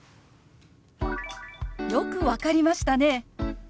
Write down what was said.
「よく分かりましたね！」。